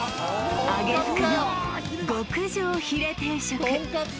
あげ福の極上ヒレ定食